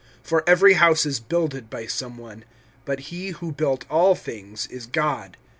(4)For every house is builded by some one; but he who built all things is God.